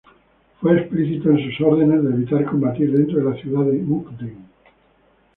Fue explícito en sus órdenes de evitar combatir dentro de la ciudad de Mukden.